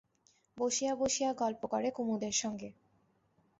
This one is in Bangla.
বসিয়া বসিয়া গল্প করে কুমুদের সঙ্গে।